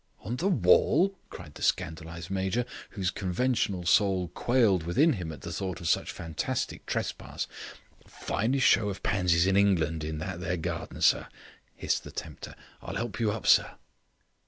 "On the wall!" cried the scandalised Major, whose conventional soul quailed within him at the thought of such fantastic trespass. "Finest show of yellow pansies in England in that there garden, sir," hissed the tempter. "I'll help you up, sir."